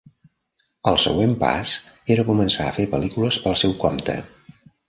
El següent pas era començar a fer pel·lícules pel seu compte.